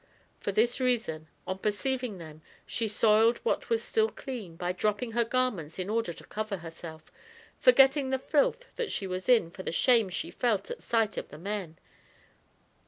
For this reason, on perceiving them, she soiled what was still clean, by dropping her garments in order to cover herself, forgetting the filth that she was in for the shame she felt at sight of the men.